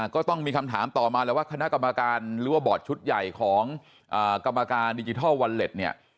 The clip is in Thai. ก็ต้องมีคำถามต่อมาแล้วว่าคณะกรรมการหรือว่าบอร์ดชุดใหญ่ของกรรมการดิจิทัลวอลเล็ตเนี่ย